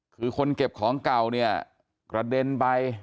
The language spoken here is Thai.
คือคนเก็บของเก่าเนี่ยกระเด็นไป